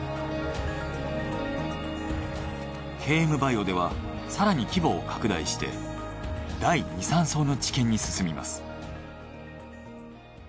ＫＭバイオでは更に規模を拡大して第２／３相の治験に進みます。